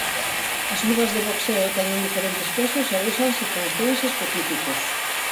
As luvas de boxeo teñen diferentes pesos e úsanse con fins específicos.